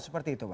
seperti itu bang